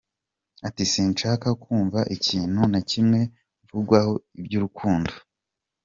Ati “Sinshaka kumva ikintu na kimwe mvugwaho iby’urukundo.